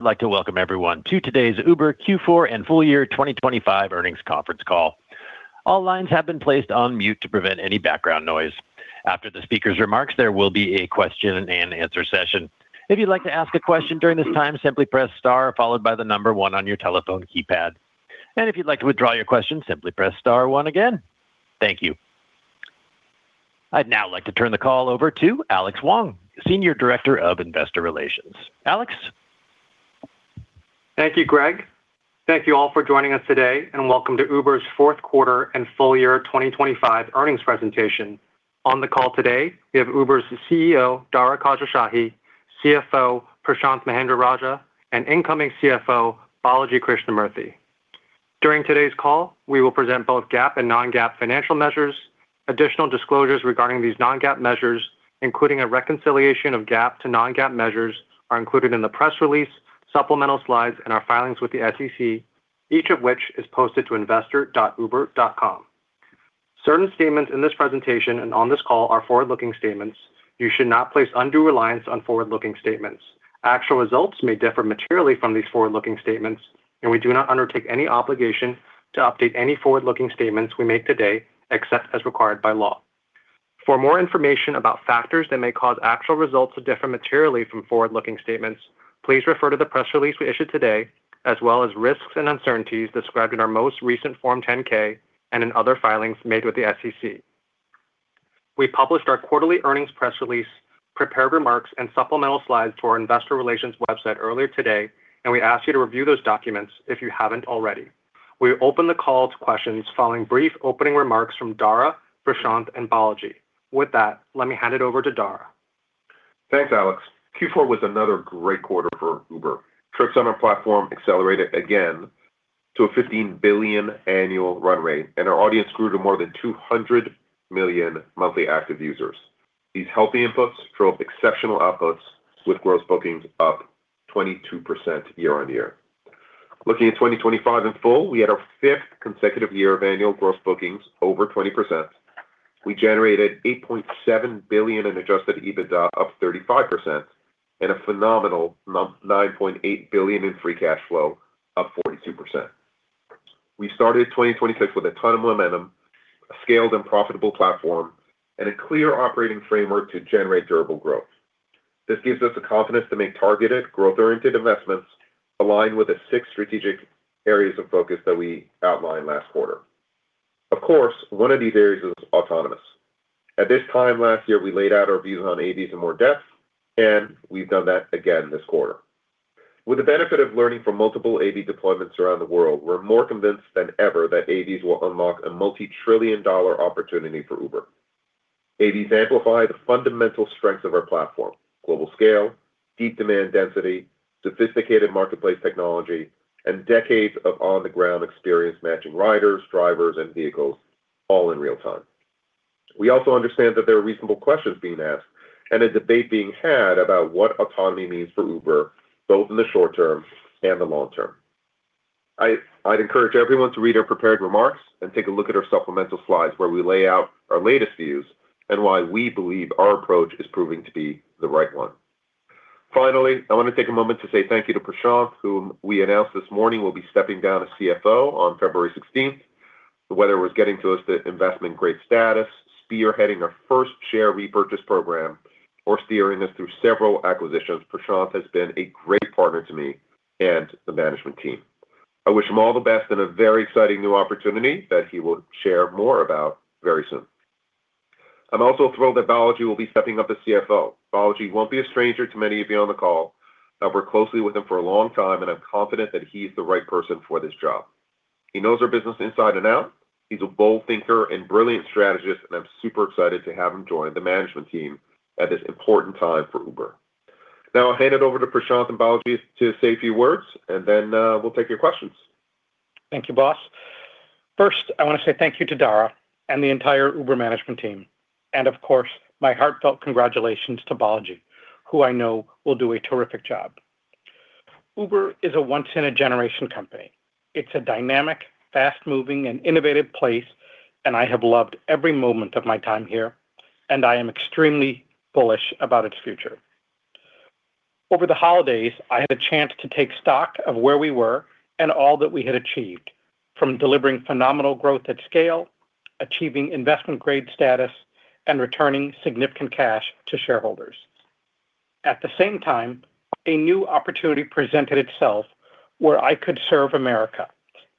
I'd like to welcome everyone to today's Uber Q4 and full year 2025 earnings conference call. All lines have been placed on mute to prevent any background noise. After the speaker's remarks, there will be a question and answer session. If you'd like to ask a question during this time, simply press star followed by the number one on your telephone keypad. And if you'd like to withdraw your question, simply press star one again. Thank you. I'd now like to turn the call over to Alix Anfang, Senior Director of investor relations. Alix? Thank you, Greg. Thank you all for joining us today, and welcome to Uber's fourth quarter and full year 2025 earnings presentation. On the call today, we have Uber's CEO, Dara Khosrowshahi, CFO, Prashanth Mahendra-Rajah, and incoming CFO, Balaji Krishnamurthy. During today's call, we will present both GAAP and non-GAAP financial measures. Additional disclosures regarding these non-GAAP measures, including a reconciliation of GAAP to non-GAAP measures, are included in the press release, supplemental slides, and our filings with the SEC, each of which is posted to investor.uber.com. Certain statements in this presentation and on this call are forward-looking statements. You should not place undue reliance on forward-looking statements. Actual results may differ materially from these forward-looking statements, and we do not undertake any obligation to update any forward-looking statements we make today except as required by law. For more information about factors that may cause actual results to differ materially from forward-looking statements, please refer to the press release we issued today, as well as risks and uncertainties described in our most recent Form 10-K and in other filings made with the SEC. We published our quarterly earnings press release, prepared remarks, and supplemental slides to our investor relations website earlier today, and we ask you to review those documents if you haven't already. We open the call to questions following brief opening remarks from Dara, Prashanth, and Balaji. With that, let me hand it over to Dara. Thanks, Alix. Q4 was another great quarter for Uber. Trips on our platform accelerated again to a 15 billion annual run rate, and our audience grew to more than 200 million monthly active users. These healthy inputs drove exceptional outputs, with gross bookings up 22% year-over-year. Looking at 2025 in full, we had our fifth consecutive year of annual gross bookings over 20%. We generated $8.7 billion in adjusted EBITDA of 35% and a phenomenal $9.8 billion in free cash flow, up 42%. We started 2026 with a ton of momentum, a scaled and profitable platform, and a clear operating framework to generate durable growth. This gives us the confidence to make targeted, growth-oriented investments aligned with the six strategic areas of focus that we outlined last quarter. Of course, one of these areas is autonomous. At this time last year, we laid out our views on AVs in more depth, and we've done that again this quarter. With the benefit of learning from multiple AV deployments around the world, we're more convinced than ever that AVs will unlock a multi-trillion-dollar opportunity for Uber. AVs amplify the fundamental strengths of our platform, global scale, deep demand density, sophisticated marketplace technology, and decades of on-the-ground experience matching riders, drivers, and vehicles all in real time. We also understand that there are reasonable questions being asked and a debate being had about what autonomy means for Uber, both in the short term and the long term. I'd encourage everyone to read our prepared remarks and take a look at our supplemental slides, where we lay out our latest views and why we believe our approach is proving to be the right one. Finally, I want to take a moment to say thank you to Prashanth, whom we announced this morning will be stepping down as CFO on February sixteenth. Whether it was getting to us the investment-grade status, spearheading our first share repurchase program, or steering us through several acquisitions, Prashanth has been a great partner to me and the management team. I wish him all the best in a very exciting new opportunity that he will share more about very soon. I'm also thrilled that Balaji will be stepping up as CFO. Balaji won't be a stranger to many of you on the call. I've worked closely with him for a long time, and I'm confident that he's the right person for this job. He knows our business inside and out. He's a bold thinker and brilliant strategist, and I'm super excited to have him join the management team at this important time for Uber. Now, I'll hand it over to Prashanth and Balaji to say a few words, and then, we'll take your questions. Thank you, boss. First, I want to say thank you to Dara and the entire Uber management team, and of course, my heartfelt congratulations to Balaji, who I know will do a terrific job. Uber is a once-in-a-generation company. It's a dynamic, fast-moving, and innovative place, and I have loved every moment of my time here, and I am extremely bullish about its future. Over the holidays, I had a chance to take stock of where we were and all that we had achieved, from delivering phenomenal growth at scale, achieving investment-grade status, and returning significant cash to shareholders. At the same time, a new opportunity presented itself where I could serve America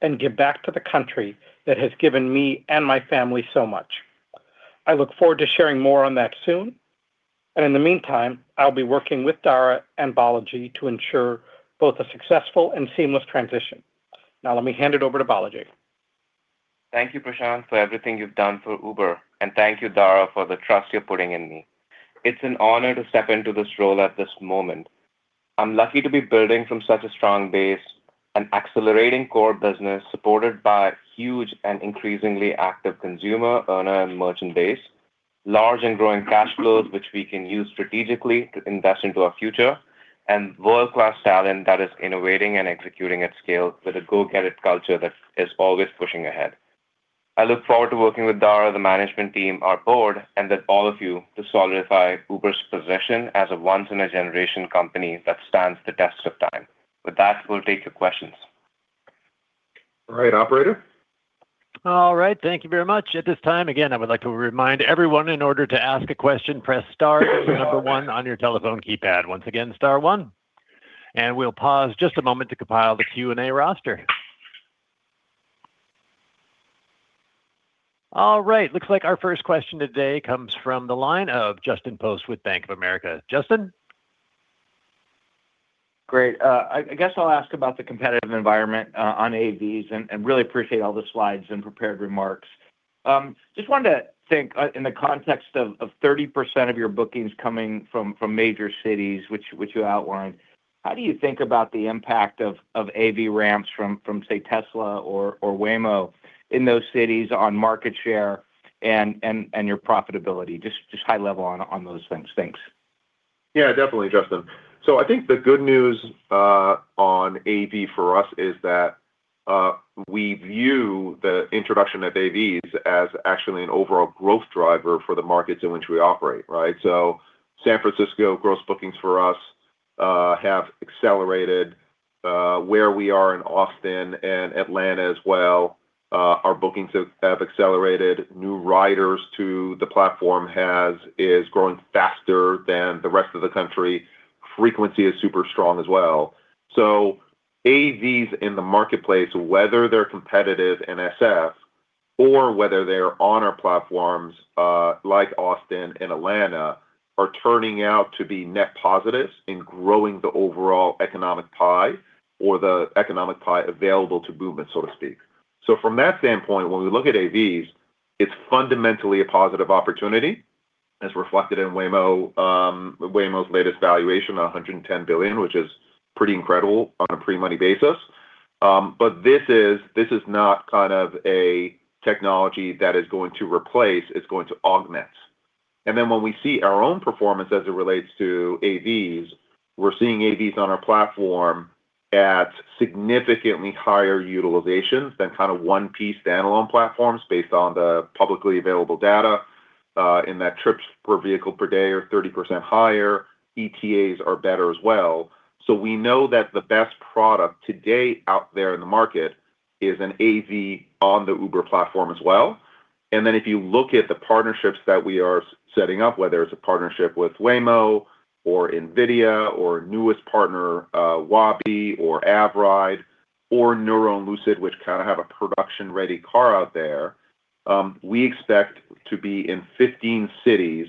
and give back to the country that has given me and my family so much. I look forward to sharing more on that soon, and in the meantime, I'll be working with Dara and Balaji to ensure both a successful and seamless transition. Now, let me hand it over to Balaji. Thank you, Prashanth, for everything you've done for Uber, and thank you, Dara, for the trust you're putting in me. It's an honor to step into this role at this moment. I'm lucky to be building from such a strong base, an accelerating core business supported by huge and increasingly active consumer, earner, and merchant base, large and growing cash flows, which we can use strategically to invest into our future, and world-class talent that is innovating and executing at scale with a go-get-it culture that is always pushing ahead.... I look forward to working with Dara, the management team, our board, and then all of you to solidify Uber's position as a once-in-a-generation company that stands the test of time. With that, we'll take your questions. All right, operator? All right, thank you very much. At this time, again, I would like to remind everyone, in order to ask a question, press star number one on your telephone keypad. Once again, star one. We'll pause just a moment to compile the Q&A roster. All right, looks like our first question today comes from the line of Justin Post with Bank of America. Justin? Great. I guess I'll ask about the competitive environment on AVs, and really appreciate all the slides and prepared remarks. Just wanted to think in the context of 30% of your bookings coming from major cities, which you outlined, how do you think about the impact of AV ramps from, say, Tesla or Waymo in those cities on market share and your profitability? Just high level on those things. Thanks. Yeah, definitely, Justin. So I think the good news on AV for us is that we view the introduction of AVs as actually an overall growth driver for the markets in which we operate, right? So San Francisco gross bookings for us have accelerated where we are in Austin and Atlanta as well. Our bookings have accelerated. New riders to the platform is growing faster than the rest of the country. Frequency is super strong as well. So AVs in the marketplace, whether they're competitive, in SF, or whether they're on our platforms like Austin and Atlanta, are turning out to be net positives in growing the overall economic pie or the economic pie available to movement, so to speak. So from that standpoint, when we look at AVs, it's fundamentally a positive opportunity, as reflected in Waymo, Waymo's latest valuation, $110 billion, which is pretty incredible on a pre-money basis. But this is, this is not kind of a technology that is going to replace, it's going to augment. And then when we see our own performance as it relates to AVs, we're seeing AVs on our platform at significantly higher utilizations than kind of 1P standalone platforms based on the publicly available data, in that trips per vehicle per day are 30% higher, ETAs are better as well. So we know that the best product to date out there in the market is an AV on the Uber platform as well. And then if you look at the partnerships that we are setting up, whether it's a partnership with Waymo, or NVIDIA, or newest partner, Waabi, or Avride, or Nuro, Lucid, which kind of have a production-ready car out there, we expect to be in 15 cities,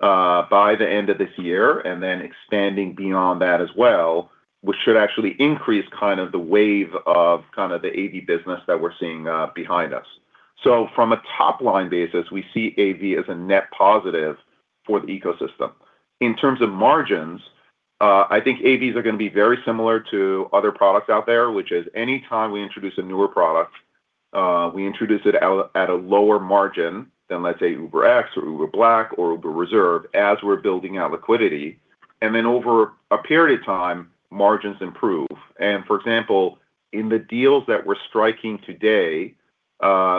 by the end of this year, and then expanding beyond that as well, which should actually increase kind of the wave of kind of the AV business that we're seeing, behind us. So from a top-line basis, we see AV as a net positive for the ecosystem. In terms of margins, I think AVs are gonna be very similar to other products out there, which is any time we introduce a newer product, we introduce it out at a lower margin than, let's say, UberX or Uber Black or Uber Reserve, as we're building out liquidity, and then over a period of time, margins improve. For example, in the deals that we're striking today,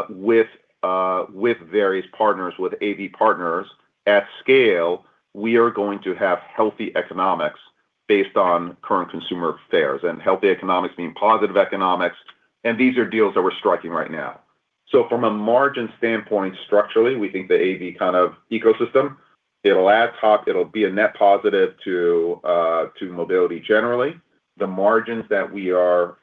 with various partners, with AV partners, at scale, we are going to have healthy economics based on current consumer fares, and healthy economics mean positive economics, and these are deals that we're striking right now. From a margin standpoint, structurally, we think the AV kind of ecosystem, it'll add c, it'll be a net positive to mobility generally. The margins that we are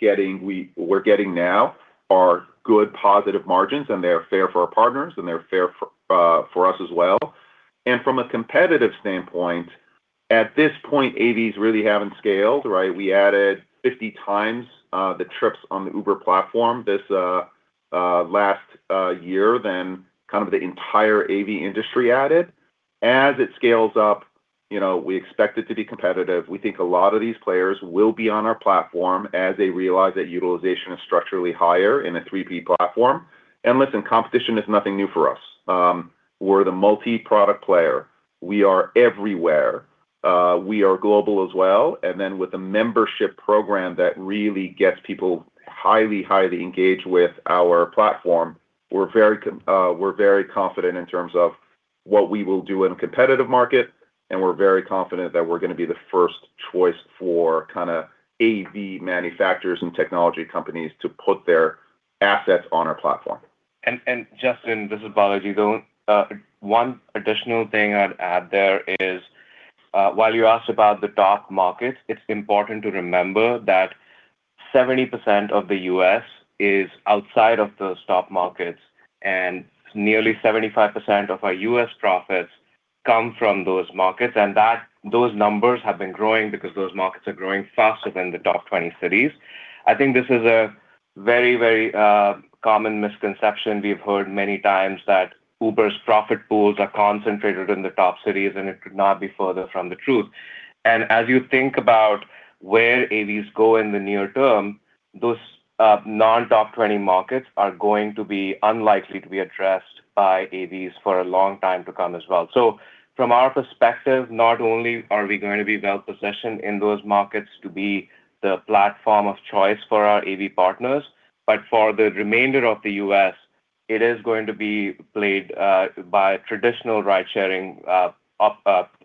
getting, we're getting now are good, positive margins, and they're fair for our partners, and they're fair for us as well. And from a competitive standpoint, at this point, AVs really haven't scaled, right? We added 50 times the trips on the Uber platform this last year than kind of the entire AV industry added. As it scales up, you know, we expect it to be competitive. We think a lot of these players will be on our platform as they realize that utilization is structurally higher in a 3P platform. And listen, competition is nothing new for us. We're the multi-product player. We are everywhere. We are global as well. With a membership program that really gets people highly, highly engaged with our platform, we're very confident in terms of what we will do in a competitive market, and we're very confident that we're gonna be the first choice for kind of AV manufacturers and technology companies to put their assets on our platform. And Justin, this is Balaji, though. One additional thing I'd add there is, while you asked about the top markets, it's important to remember that 70% of the US is outside of those top markets, and nearly 75% of our US profits come from those markets, and that those numbers have been growing because those markets are growing faster than the top 20 cities. I think this is a very, very common misconception. We've heard many times that Uber's profit pools are concentrated in the top cities, and it could not be further from the truth. And as you think about where AVs go in the near term, those non-top-20 markets are going to be unlikely to be addressed by AVs for a long time to come as well. From our perspective, not only are we going to be well-positioned in those markets to be the platform of choice for our AV partners, but for the remainder of the U.S.... it is going to be played by traditional ride-sharing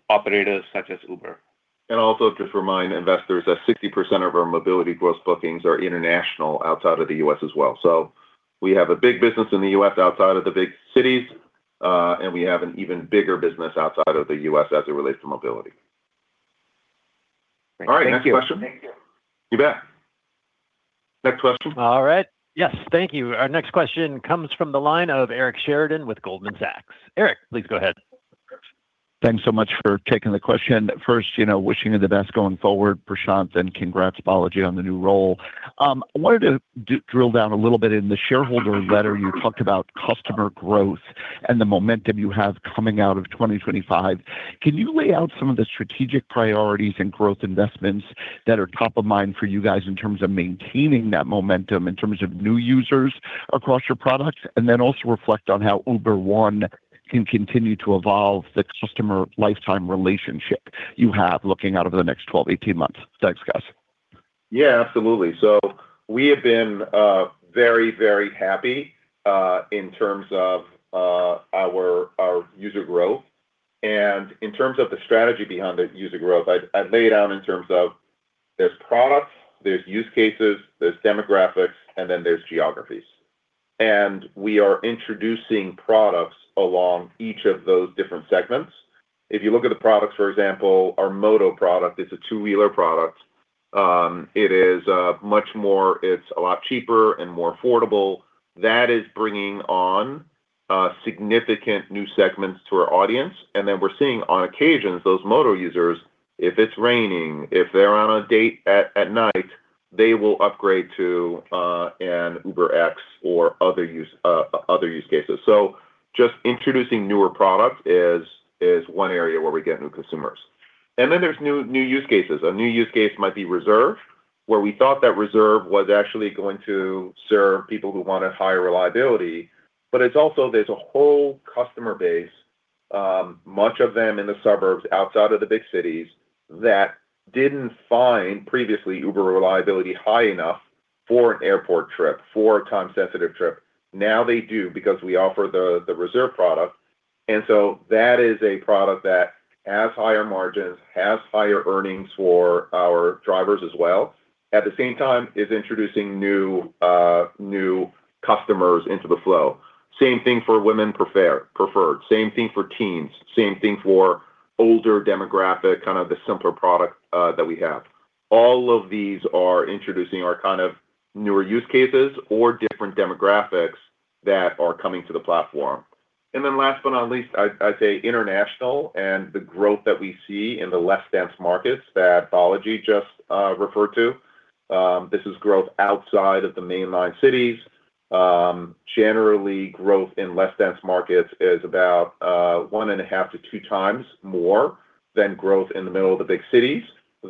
operators such as Uber. Also just remind investors that 60% of our mobility gross bookings are international, outside of the U.S. as well. We have a big business in the U.S. outside of the big cities, and we have an even bigger business outside of the U.S. as it relates to mobility. Thank you. All right. Next question? Thank you. You bet. Next question. All right. Yes, thank you. Our next question comes from the line of Eric Sheridan with Goldman Sachs. Eric, please go ahead. Thanks so much for taking the question. First, you know, wishing you the best going forward, Prashanth, and congrats, Balaji, on the new role. I wanted to drill down a little bit. In the shareholder letter, you talked about customer growth and the momentum you have coming out of 2025. Can you lay out some of the strategic priorities and growth investments that are top of mind for you guys in terms of maintaining that momentum, in terms of new users across your products? And then also reflect on how Uber One can continue to evolve the customer lifetime relationship you have looking out over the next 12, 18 months. Thanks, guys. Yeah, absolutely. So we have been very, very happy in terms of our user growth. And in terms of the strategy behind the user growth, I'd lay it out in terms of there's products, there's use cases, there's demographics, and then there's geographies. And we are introducing products along each of those different segments. If you look at the products, for example, our Moto product, it's a two-wheeler product. It is much more, it's a lot cheaper and more affordable. That is bringing on significant new segments to our audience, and then we're seeing on occasions, those Moto users, if it's raining, if they're on a date at night, they will upgrade to an UberX or other use, other use cases. So just introducing newer products is one area where we get new consumers. Then there's new, new use cases. A new use case might be Reserve, where we thought that Reserve was actually going to serve people who wanted higher reliability, but it's also there's a whole customer base, much of them in the suburbs outside of the big cities, that didn't find previously Uber reliability high enough for an airport trip, for a time-sensitive trip. Now they do, because we offer the Reserve product. And so that is a product that has higher margins, has higher earnings for our drivers as well. At the same time, it's introducing new, new customers into the flow. Same thing for Women Preferred, same thing for teens, same thing for older demographic, kind of the simpler product, that we have. All of these are introducing our kind of newer use cases or different demographics that are coming to the platform. And then last but not least, I'd say international and the growth that we see in the less dense markets that Balaji just referred to. This is growth outside of the mainline cities. Generally, growth in less dense markets is about 1.5-2 times more than growth in the middle of the big cities.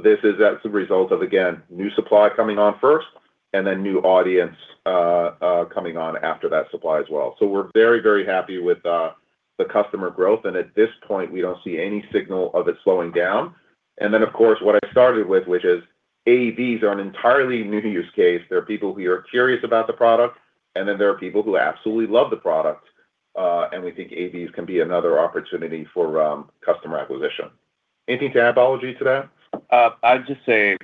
This is as a result of, again, new supply coming on first, and then new audience coming on after that supply as well. So we're very, very happy with the customer growth, and at this point, we don't see any signal of it slowing down. And then, of course, what I started with, which is AVs are an entirely new use case. There are people who are curious about the product, and then there are people who absolutely love the product, and we think AVs can be another opportunity for customer acquisition. Anything to add, Balaji, to that? I'd just say,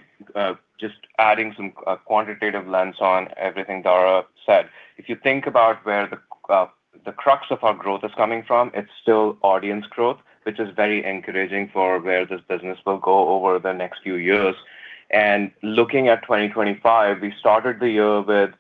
just adding some, a quantitative lens on everything Dara said. If you think about where the, the crux of our growth is coming from, it's still audience growth, which is very encouraging for where this business will go over the next few years. Looking at 2025, we started the year with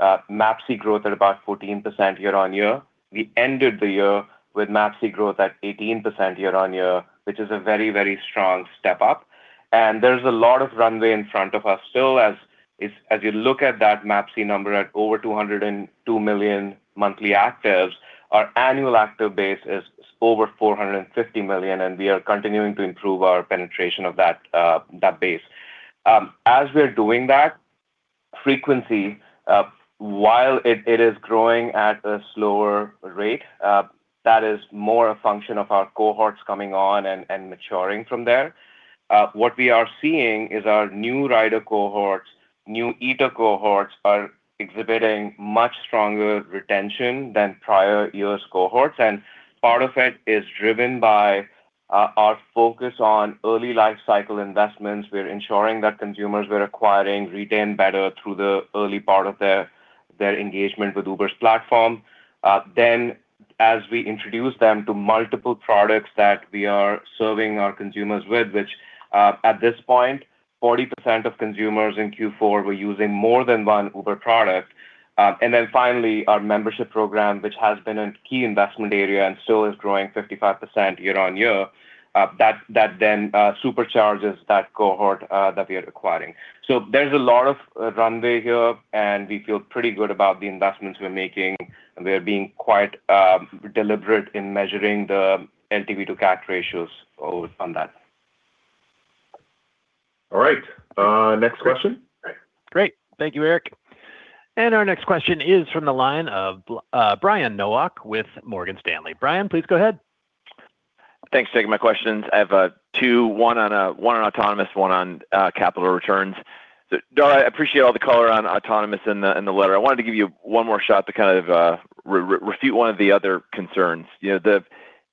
MAPC growth at about 14% year-on-year. We ended the year with MAPC growth at 18% year-on-year, which is a very, very strong step up, and there's a lot of runway in front of us. Still, as you look at that MAPC number at over 202 million monthly actives, our annual active base is over 450 million, and we are continuing to improve our penetration of that, that base. As we're doing that, frequency, while it is growing at a slower rate, that is more a function of our cohorts coming on and maturing from there. What we are seeing is our new rider cohorts, new eater cohorts, are exhibiting much stronger retention than prior U.S. cohorts, and part of it is driven by our focus on early lifecycle investments. We're ensuring that consumers we're acquiring retain better through the early part of their engagement with Uber's platform. Then, as we introduce them to multiple products that we are serving our consumers with, which, at this point, 40% of consumers in Q4 were using more than one Uber product. And then finally, our membership program, which has been a key investment area and still is growing 55% year-over-year, that then supercharges that cohort that we are acquiring. So there's a lot of runway here, and we feel pretty good about the investments we're making, and we are being quite deliberate in measuring the LTV to CAC ratios over on that. All right, next question? Great. Thank you, Eric. And our next question is from the line of Brian Nowak with Morgan Stanley. Brian, please go ahead. ... Thanks for taking my questions. I have 2, one on autonomous, one on capital returns. So Dara, I appreciate all the color on autonomous in the letter. I wanted to give you one more shot to kind of refute one of the other concerns. You know,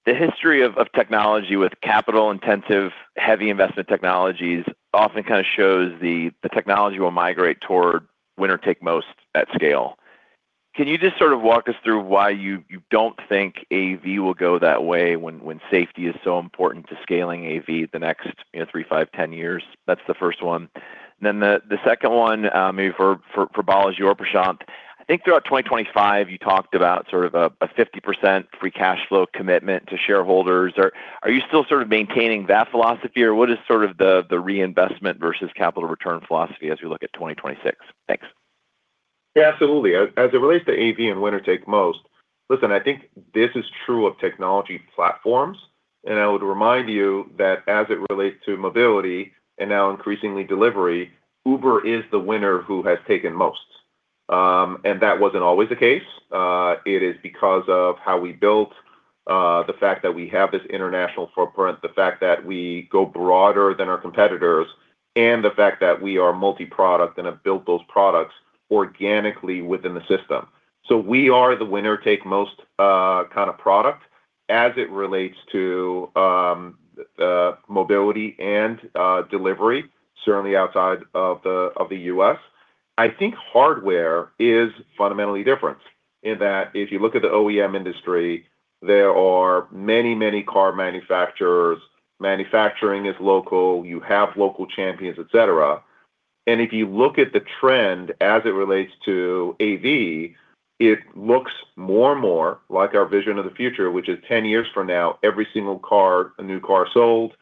the history of technology with capital-intensive, heavy investment technologies often kind of shows the technology will migrate toward winner take most at scale. Can you just sort of walk us through why you don't think AV will go that way when safety is so important to scaling AV the next, you know, 3, 5, 10 years? That's the first one. Then the second one, maybe for Balaji or Prashanth, I think throughout 2025, you talked about sort of a 50% free cash flow commitment to shareholders. Are you still sort of maintaining that philosophy, or what is sort of the reinvestment versus capital return philosophy as we look at 2026? Thanks. Yeah, absolutely. As it relates to AV and winner takes most, listen, I think this is true of technology platforms, and I would remind you that as it relates to mobility and now increasingly delivery, Uber is the winner who has taken most. And that wasn't always the case. It is because of how we built the fact that we have this international footprint, the fact that we go broader than our competitors, and the fact that we are multi-product and have built those products organically within the system. So we are the winner take most kind of product as it relates to mobility and delivery, certainly outside of the U.S. I think hardware is fundamentally different in that if you look at the OEM industry, there are many, many car manufacturers. Manufacturing is local, you have local champions, et cetera. And if you look at the trend as it relates to AV, it looks more and more like our vision of the future, which is 10 years from now, every single car, a new car sold,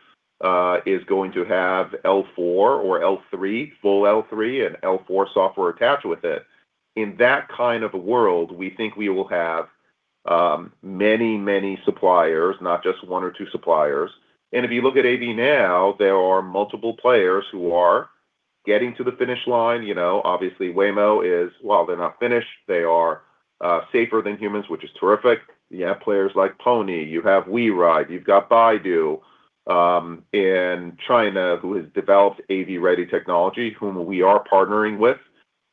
is going to have L4 or L3, full L3 and L4 software attached with it. In that kind of a world, we think we will have, many, many suppliers, not just one or two suppliers. And if you look at AV now, there are multiple players who are getting to the finish line. You know, obviously, Waymo is... Well, they're not finished, they are, safer than humans, which is terrific. You have players like Pony, you have WeRide, you've got Baidu, in China, who has developed AV-ready technology, whom we are partnering with,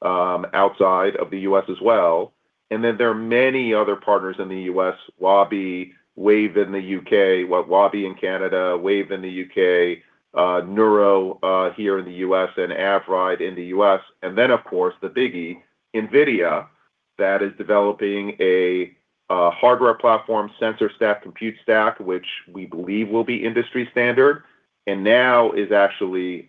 outside of the U.S. as well. And then there are many other partners in the U.S., Waabi, Wayve in the U.K. Well, Waabi in Canada, Wayve in the U.K., Nuro, here in the U.S., and AVRide in the U.S. And then, of course, the biggie, NVIDIA, that is developing a hardware platform, sensor stack, compute stack, which we believe will be industry standard, and now is actually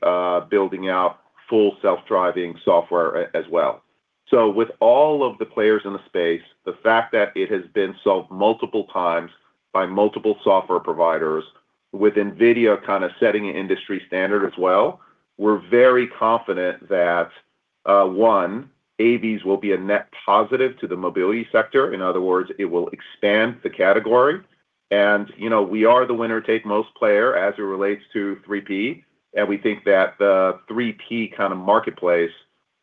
building out full self-driving software as well. So with all of the players in the space, the fact that it has been solved multiple times by multiple software providers, with NVIDIA kind of setting an industry standard as well, we're very confident that, one, AVs will be a net positive to the mobility sector. In other words, it will expand the category. You know, we are the winner take most player as it relates to 3P, and we think that the 3P kind of marketplace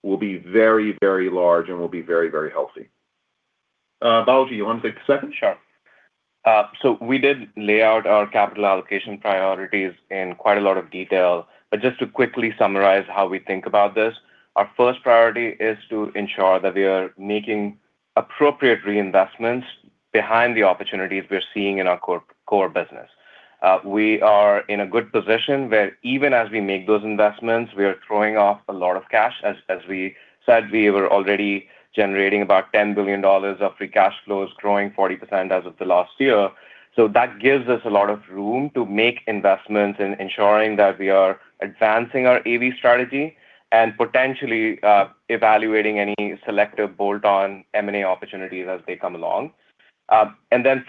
will be very, very large and will be very, very healthy. Balaji, you want to take the second? Sure. So we did lay out our capital allocation priorities in quite a lot of detail, but just to quickly summarize how we think about this, our first priority is to ensure that we are making appropriate reinvestments behind the opportunities we're seeing in our core, core business. We are in a good position where even as we make those investments, we are throwing off a lot of cash. As we said, we were already generating about $10 billion of free cash flows, growing 40% as of the last year. So that gives us a lot of room to make investments in ensuring that we are advancing our AV strategy and potentially evaluating any selective bolt-on M&A opportunities as they come along. And then,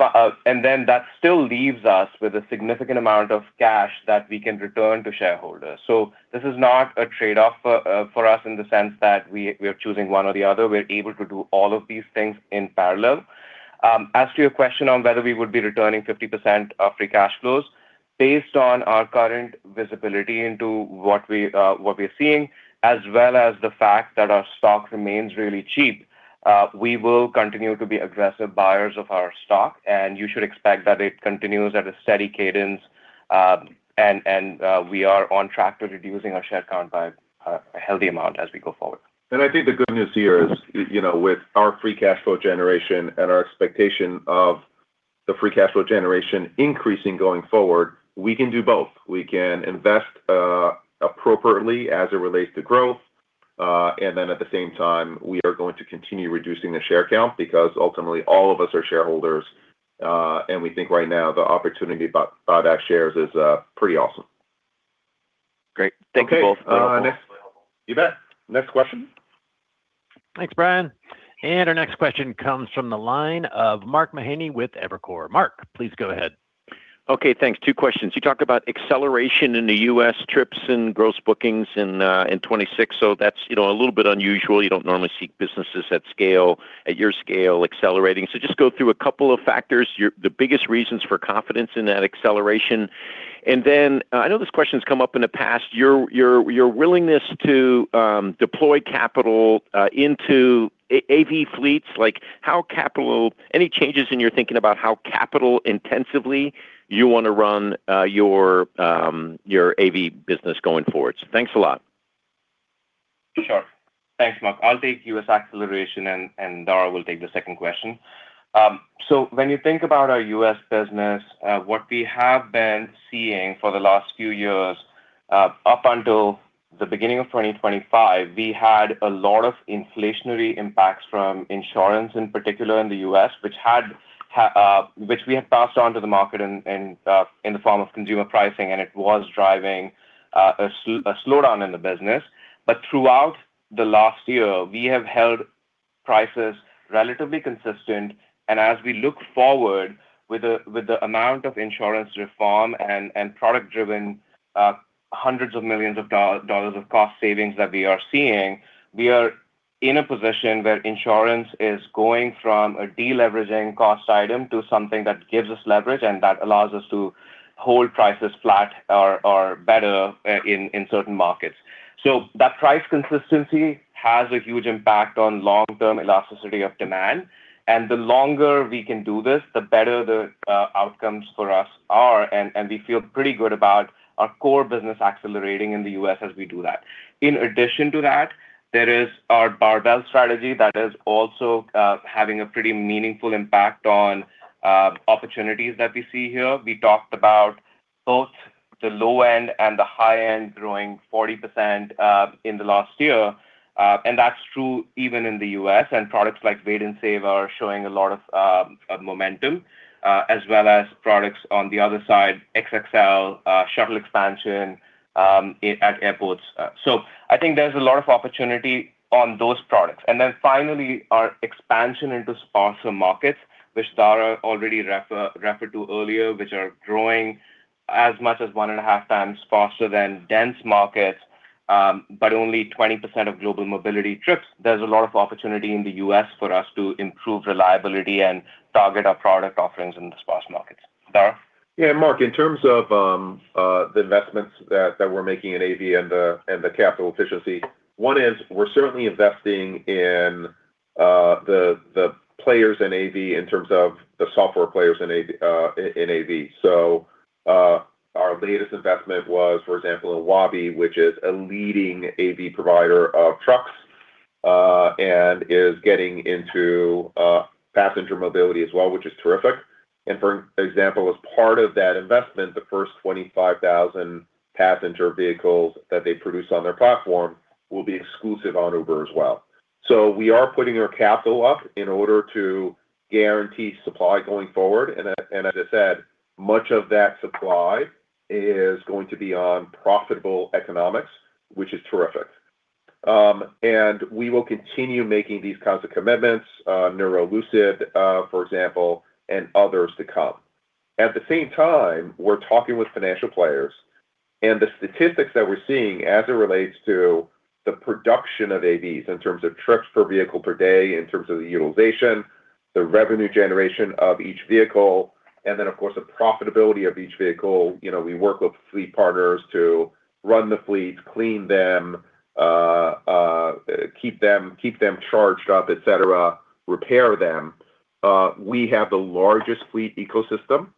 and then that still leaves us with a significant amount of cash that we can return to shareholders. So this is not a trade-off for us in the sense that we are choosing one or the other. We're able to do all of these things in parallel. As to your question on whether we would be returning 50% of free cash flows, based on our current visibility into what we're seeing, as well as the fact that our stock remains really cheap, we will continue to be aggressive buyers of our stock, and you should expect that it continues at a steady cadence. And we are on track to reducing our share count by a healthy amount as we go forward. I think the good news here is, you know, with our free cash flow generation and our expectation of the free cash flow generation increasing going forward, we can do both. We can invest, appropriately as it relates to growth, and then at the same time, we are going to continue reducing the share count, because ultimately, all of us are shareholders, and we think right now the opportunity to buy, buy back shares is, pretty awesome. Great. Thank you both. Okay, next. You bet. Next question? Thanks, Brian. Our next question comes from the line of Mark Mahaney with Evercore. Mark, please go ahead. Okay, thanks. Two questions. You talked about acceleration in the U.S. trips and gross bookings in 2026. So that's, you know, a little bit unusual. You don't normally see businesses at scale, at your scale accelerating. So just go through a couple of factors, the biggest reasons for confidence in that acceleration. And then, I know this question's come up in the past, your willingness to deploy capital into AV fleets, like, how capital intensively you wanna run your AV business going forward? Any changes in your thinking about that? So thanks a lot. Sure. Thanks, Mark. I'll take U.S. acceleration, and Dara will take the second question. So when you think about our U.S. business, what we have been seeing for the last few years, up until the beginning of 2025, we had a lot of inflationary impacts from insurance, in particular in the U.S., which we had passed on to the market in the form of consumer pricing, and it was driving a slowdown in the business. But throughout the last year, we have held prices relatively consistent, and as we look forward, with the amount of insurance reform and product-driven $hundreds of millions of cost savings that we are seeing, we are in a position where insurance is going from a deleveraging cost item to something that gives us leverage and that allows us to hold prices flat or better in certain markets. So that price consistency has a huge impact on long-term elasticity of demand, and the longer we can do this, the better the outcomes for us are, and we feel pretty good about our core business accelerating in the U.S. as we do that. In addition to that, there is our barbell strategy that is also having a pretty meaningful impact on opportunities that we see here. We talked about both the low end and the high end growing 40% in the last year, and that's true even in the US, and products like Wait & Save are showing a lot of momentum, as well as products on the other side, XXL, shuttle expansion at airports. So I think there's a lot of opportunity on those products. And then finally, our expansion into sparse markets, which Dara already referred to earlier, which are growing as much as one and a half times faster than dense markets, but only 20% of global mobility trips. There's a lot of opportunity in the US for us to improve reliability and target our product offerings in the sparse markets. Dara? Yeah, Mark, in terms of the investments that we're making in AV and the capital efficiency, one is we're certainly investing in the players in AV in terms of the software players in AV. So our latest investment was, for example, in Waabi, which is a leading AV provider of trucks and is getting into passenger mobility as well, which is terrific. And for example, as part of that investment, the first 25,000 passenger vehicles that they produce on their platform will be exclusive on Uber as well. So we are putting our capital up in order to guarantee supply going forward, and as I said, much of that supply is going to be on profitable economics, which is terrific. and we will continue making these kinds of commitments, Nuro, Lucid, for example, and others to come. At the same time, we're talking with financial players, and the statistics that we're seeing as it relates to the production of AVs in terms of trips per vehicle per day, in terms of the utilization, the revenue generation of each vehicle, and then, of course, the profitability of each vehicle, you know, we work with fleet partners to run the fleets, clean them, keep them charged up, et cetera, repair them. We have the largest fleet ecosystem,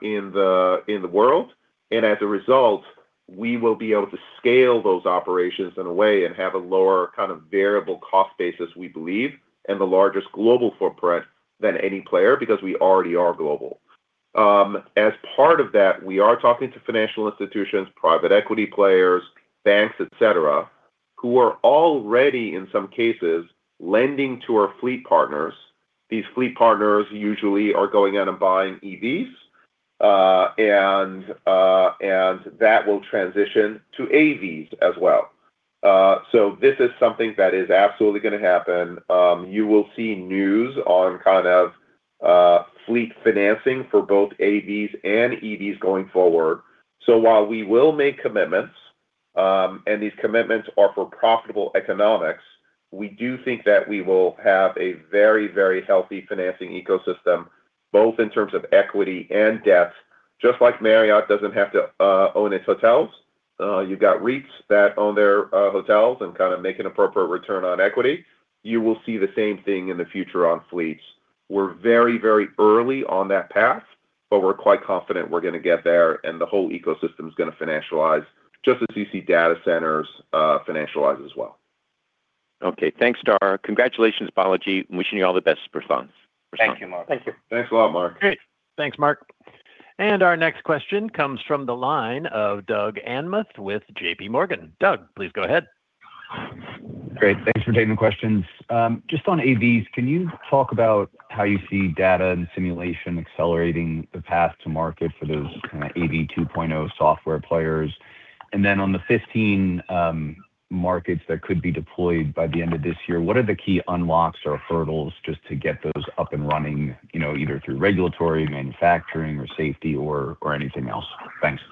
in the world, and as a result, we will be able to scale those operations in a way and have a lower kind of variable cost basis, we believe, and the largest global footprint than any player, because we already are global. As part of that, we are talking to financial institutions, private equity players, banks, et cetera, who are already, in some cases, lending to our fleet partners. These fleet partners usually are going out and buying EVs, and that will transition to AVs as well. So this is something that is absolutely gonna happen. You will see news on kind of fleet financing for both AVs and EVs going forward. So while we will make commitments, and these commitments are for profitable economics, we do think that we will have a very, very healthy financing ecosystem, both in terms of equity and debt. Just like Marriott doesn't have to own its hotels, you've got REITs that own their hotels and kinda make an appropriate return on equity, you will see the same thing in the future on fleets. We're very, very early on that path, but we're quite confident we're gonna get there, and the whole ecosystem is gonna financialize, just as you see data centers, financialize as well. Okay, thanks, Dara. Congratulations, Balaji. Wishing you all the best, Prashanth. Thank you, Mark. Thanks a lot, Mark. Great! Thanks, Mark. Our next question comes from the line of Doug Anmuth with JP Morgan. Doug, please go ahead. Great, thanks for taking the questions. Just on AVs, can you talk about how you see data and simulation accelerating the path to market for those kinda AV 2.0 software players? And then on the 15 markets that could be deployed by the end of this year, what are the key unlocks or hurdles just to get those up and running, you know, either through regulatory, manufacturing, or safety or, or anything else? Thanks....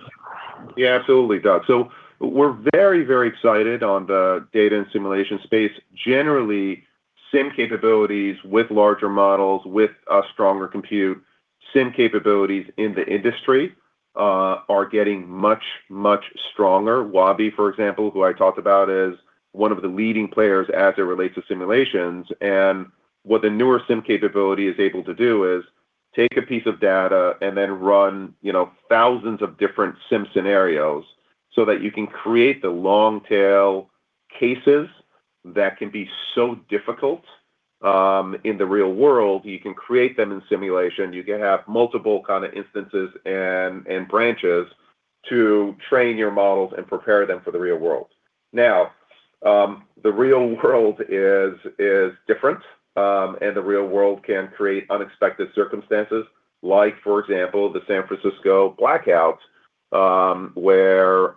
Yeah, absolutely, Doug. So we're very, very excited on the data and simulation space. Generally, sim capabilities with larger models, with a stronger compute, sim capabilities in the industry, are getting much, much stronger. Waabi, for example, who I talked about, is one of the leading players as it relates to simulations. And what the newer sim capability is able to do is take a piece of data and then run, you know, thousands of different sim scenarios so that you can create the long tail cases that can be so difficult in the real world. You can create them in simulation. You can have multiple kind of instances and branches to train your models and prepare them for the real world. Now, the real world is different, and the real world can create unexpected circumstances, like, for example, the San Francisco blackouts, where,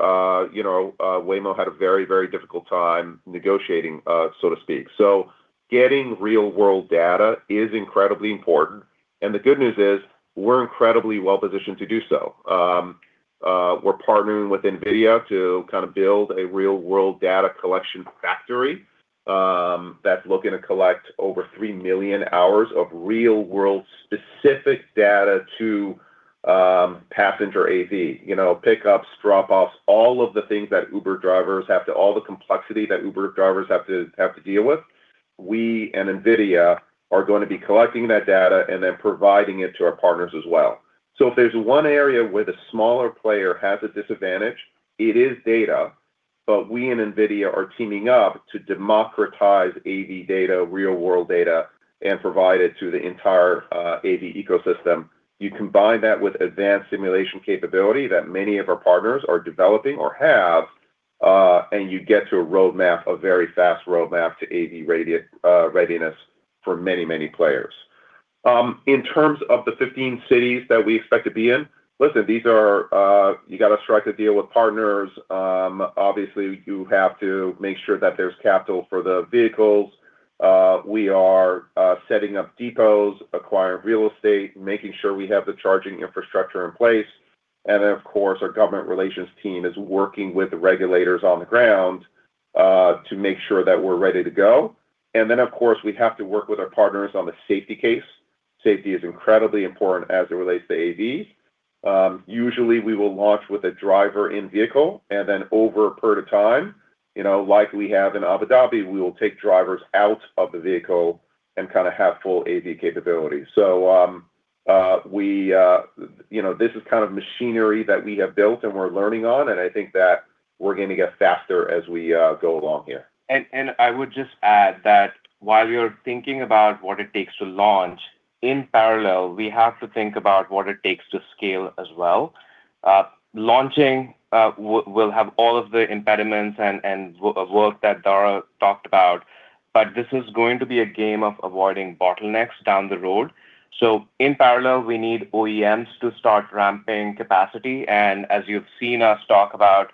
you know, Waymo had a very, very difficult time negotiating, so to speak. So getting real-world data is incredibly important, and the good news is, we're incredibly well-positioned to do so. We're partnering with NVIDIA to kind of build a real-world data collection factory, that's looking to collect over 3 million hours of real-world specific data to passenger AV. You know, pickups, drop-offs, all of the things that Uber drivers have to—all the complexity that Uber drivers have to deal with, we and NVIDIA are going to be collecting that data and then providing it to our partners as well. So if there's one area where the smaller player has a disadvantage, it is data, but we and NVIDIA are teaming up to democratize AV data, real-world data, and provide it to the entire AV ecosystem. You combine that with advanced simulation capability that many of our partners are developing or have, and you get to a roadmap, a very fast roadmap to AV readiness for many, many players. In terms of the 15 cities that we expect to be in, listen, these are you got to strike a deal with partners. Obviously, you have to make sure that there's capital for the vehicles. We are setting up depots, acquiring real estate, making sure we have the charging infrastructure in place, and then, of course, our government relations team is working with the regulators on the ground to make sure that we're ready to go. Then, of course, we have to work with our partners on the safety case. Safety is incredibly important as it relates to AV. Usually, we will launch with a driver in vehicle, and then over a period of time, you know, like we have in Abu Dhabi, we will take drivers out of the vehicle and kind of have full AV capability. You know, this is kind of machinery that we have built and we're learning on, and I think that we're going to get faster as we go along here. And I would just add that while we are thinking about what it takes to launch, in parallel, we have to think about what it takes to scale as well. Launching will have all of the impediments and work that Dara talked about, but this is going to be a game of avoiding bottlenecks down the road. So in parallel, we need OEMs to start ramping capacity, and as you've seen us talk about,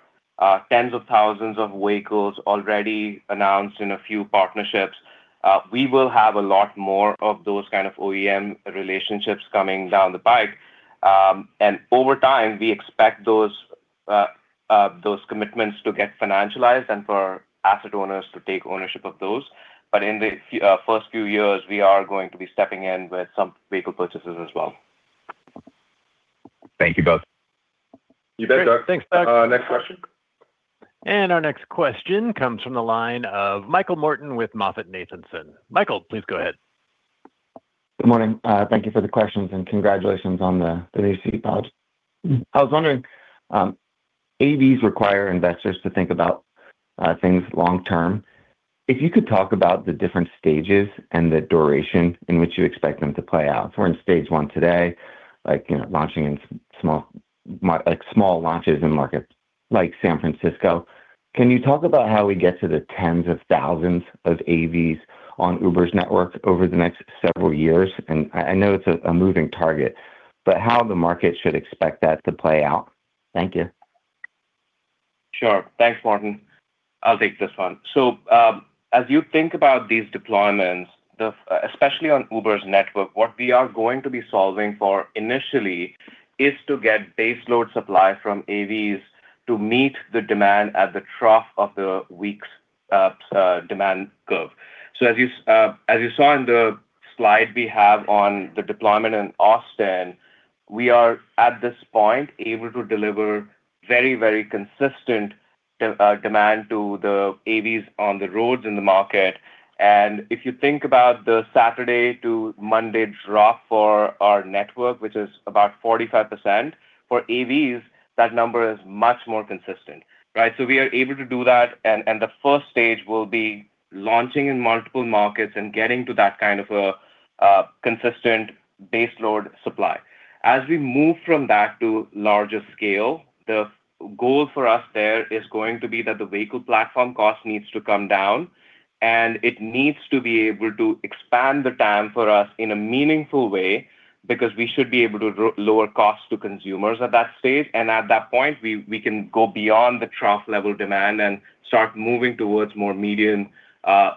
tens of thousands of vehicles already announced in a few partnerships, we will have a lot more of those kind of OEM relationships coming down the pike. And over time, we expect those commitments to get financialized and for asset owners to take ownership of those. But in the first few years, we are going to be stepping in with some vehicle purchases as well. Thank you both. You bet, Doug. Thanks, Doug. Next question? Our next question comes from the line of Michael Morton with MoffettNathanson. Michael, please go ahead. Good morning. Thank you for the questions, and congratulations on the recent launch. I was wondering, AVs require investors to think about things long term. If you could talk about the different stages and the duration in which you expect them to play out. We're in stage one today, like, you know, launching in small—like, small launches in markets like San Francisco. Can you talk about how we get to the tens of thousands of AVs on Uber's network over the next several years? And I know it's a moving target, but how the market should expect that to play out. Thank you. Sure. Thanks, Morton. I'll take this one. So, as you think about these deployments, especially on Uber's network, what we are going to be solving for initially is to get baseload supply from AVs to meet the demand at the trough of the week's demand curve. So as you, as you saw in the slide we have on the deployment in Austin, we are, at this point, able to deliver very, very consistent demand to the AVs on the roads in the market. And if you think about the Saturday to Monday drop for our network, which is about 45%, for AVs, that number is much more consistent, right? So we are able to do that, and the first stage will be launching in multiple markets and getting to that kind of a consistent baseload supply. As we move from that to larger scale, the goal for us there is going to be that the vehicle platform cost needs to come down, and it needs to be able to expand the time for us in a meaningful way, because we should be able to lower costs to consumers at that stage. And at that point, we, we can go beyond the trough-level demand and start moving towards more median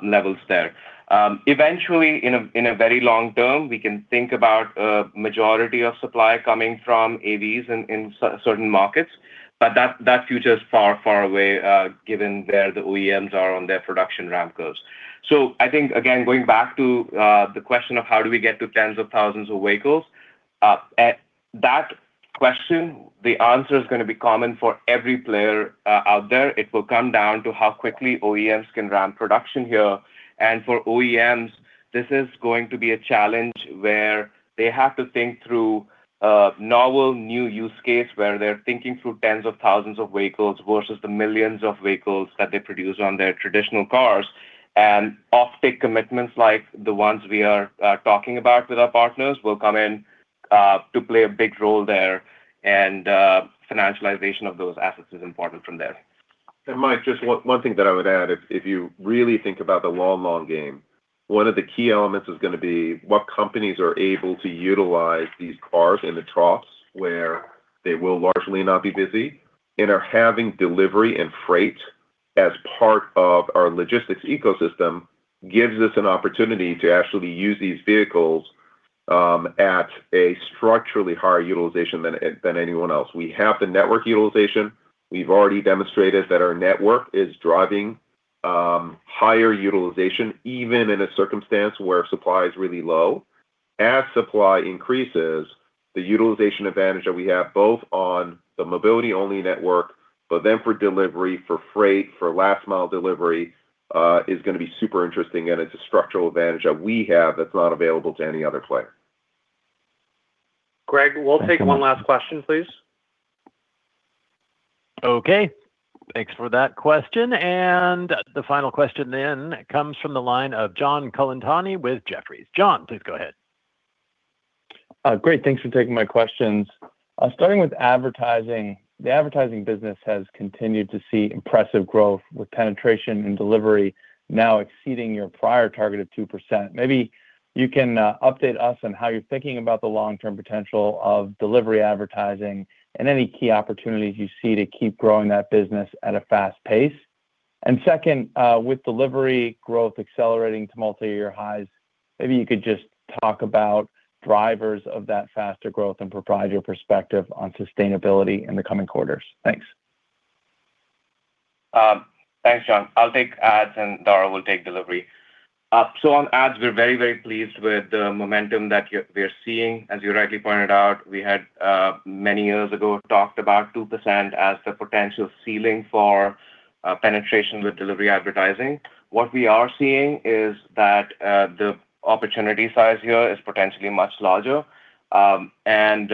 levels there. Eventually, in a very long term, we can think about a majority of supply coming from AVs in certain markets, but that, that future is far, far away, given where the OEMs are on their production ramp curves. So I think, again, going back to the question of how do we get to tens of thousands of vehicles, at that question, the answer is gonna be common for every player out there. It will come down to how quickly OEMs can ramp production here. And for OEMs, this is going to be a challenge where they have to think through a novel new use case, where they're thinking through tens of thousands of vehicles versus the millions of vehicles that they produce on their traditional cars. And offtake commitments, like the ones we are talking about with our partners, will come in to play a big role there, and financialization of those assets is important from there. Mike, just one, one thing that I would add, if, if you really think about the long, long game, one of the key elements is gonna be what companies are able to utilize these cars in the troughs, where they will largely not be busy, and are having delivery and freight as part of our logistics ecosystem, gives us an opportunity to actually use these vehicles at a structurally higher utilization than, than anyone else. We have the network utilization. We've already demonstrated that our network is driving higher utilization, even in a circumstance where supply is really low. As supply increases, the utilization advantage that we have, both on the mobility-only network, but then for delivery, for freight, for last-mile delivery, is gonna be super interesting, and it's a structural advantage that we have that's not available to any other player. Greg, we'll take one last question, please. Okay. Thanks for that question, and the final question then comes from the line of John Colantuoni with Jefferies. John, please go ahead. Great, thanks for taking my questions. Starting with advertising, the advertising business has continued to see impressive growth, with penetration and delivery now exceeding your prior target of 2%. Maybe you can update us on how you're thinking about the long-term potential of delivery advertising and any key opportunities you see to keep growing that business at a fast pace. And second, with delivery growth accelerating to multi-year highs, maybe you could just talk about drivers of that faster growth and provide your perspective on sustainability in the coming quarters. Thanks. Thanks, John. I'll take ads, and Dara will take delivery. So on ads, we're very, very pleased with the momentum that we're, we're seeing. As you rightly pointed out, we had, many years ago, talked about 2% as the potential ceiling for, penetration with delivery advertising. What we are seeing is that, the opportunity size here is potentially much larger. And,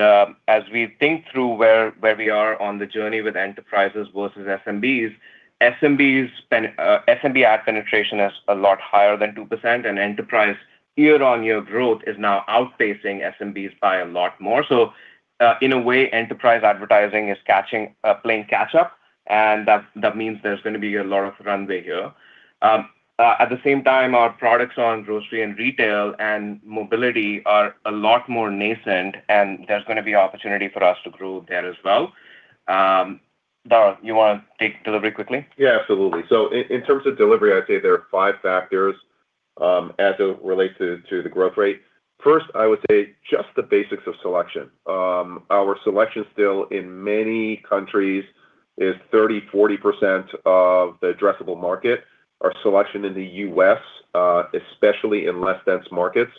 as we think through where, where we are on the journey with enterprises versus SMBs, SMB ad penetration is a lot higher than 2%, and enterprise year-on-year growth is now outpacing SMBs by a lot more. So, in a way, enterprise advertising is catching, playing catch-up, and that, that means there's gonna be a lot of runway here. At the same time, our products on grocery and retail and mobility are a lot more nascent, and there's gonna be opportunity for us to grow there as well. Dara, you want to take delivery quickly? Yeah, absolutely. So in terms of delivery, I'd say there are five factors as it relates to the growth rate. First, I would say just the basics of selection. Our selection still, in many countries, is 30, 40% of the addressable market. Our selection in the US, especially in less dense markets,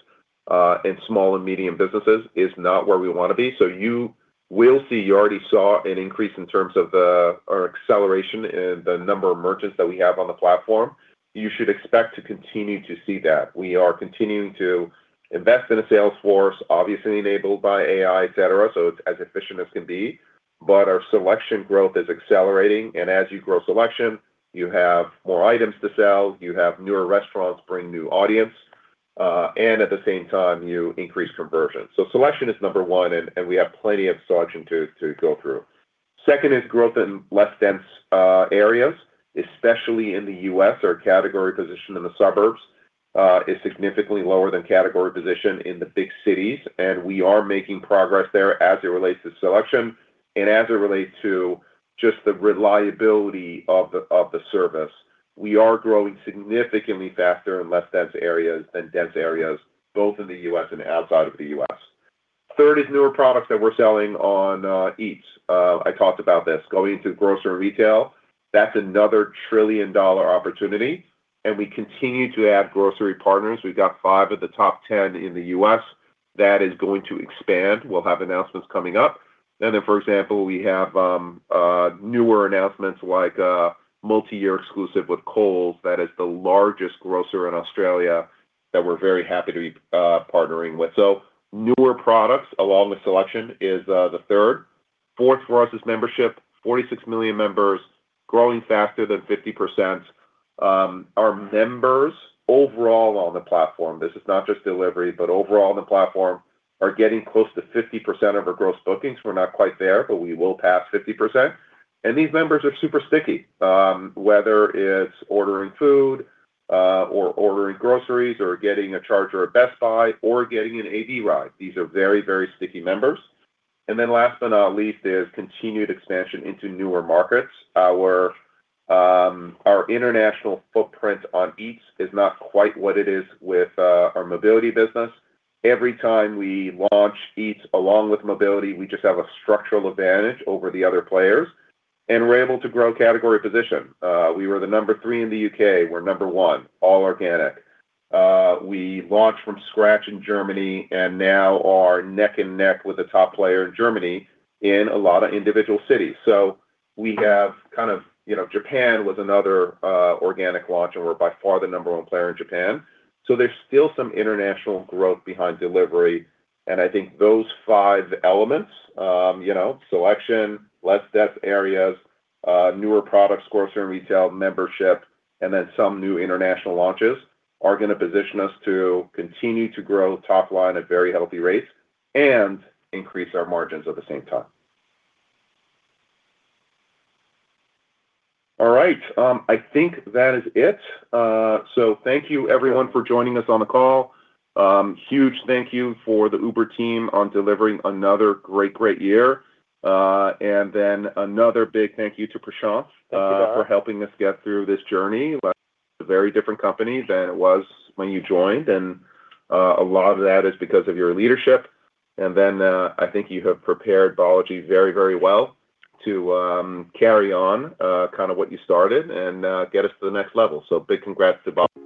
and small and medium businesses, is not where we want to be. So you will see, you already saw an increase in terms of our acceleration in the number of merchants that we have on the platform. You should expect to continue to see that. We are continuing to invest in a sales force, obviously enabled by AI, et cetera, so it's as efficient as can be. But our selection growth is accelerating, and as you grow selection, you have more items to sell, you have newer restaurants bring new audience, and at the same time, you increase conversion. So selection is number one, and we have plenty of selection to go through. Second is growth in less dense areas, especially in the U.S. Our category position in the suburbs is significantly lower than category position in the big cities, and we are making progress there as it relates to selection and as it relates to just the reliability of the service. We are growing significantly faster in less dense areas than dense areas, both in the U.S. and outside of the U.S. Third is newer products that we're selling on Eats. I talked about this. Going into grocery and retail, that's another trillion-dollar opportunity, and we continue to add grocery partners. We've got five of the top 10 in the U.S. That is going to expand. We'll have announcements coming up. And then, for example, we have newer announcements like multi-year exclusive with Coles. That is the largest grocer in Australia that we're very happy to be partnering with. So newer products along with selection is the third. Fourth for us is membership, 46 million members, growing faster than 50%. Our members overall on the platform, this is not just delivery, but overall on the platform, are getting close to 50% of our gross bookings. We're not quite there, but we will pass 50%. And these members are super sticky. Whether it's ordering food, or ordering groceries, or getting a charge at a Best Buy, or getting an AV ride, these are very, very sticky members. And then last but not least, is continued expansion into newer markets. Our international footprint on Eats is not quite what it is with our mobility business. Every time we launch Eats, along with mobility, we just have a structural advantage over the other players, and we're able to grow category position. We were the number three in the U.K., we're number one, all organic. We launched from scratch in Germany, and now are neck and neck with the top player in Germany in a lot of individual cities. So we have kind of, you know, Japan was another organic launch, and we're by far the number one player in Japan. So there's still some international growth behind delivery, and I think those five elements, you know, selection, less dense areas, newer products, grocery and retail, membership, and then some new international launches, are gonna position us to continue to grow top line at very healthy rates and increase our margins at the same time. All right, I think that is it. So thank you everyone for joining us on the call. Huge thank you to the Uber team on delivering another great, great year. And then another big thank you to Prashanth- Thank you, Dara. for helping us get through this journey. It's a very different company than it was when you joined, and a lot of that is because of your leadership. And then, I think you have prepared Balaji very, very well to carry on kind of what you started and get us to the next level. So big congrats to Balaji.